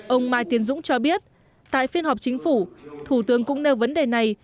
ông mai tiến dũng cho biết tại phiên họp chính phủ thủ tướng cũng nêu vấn đề này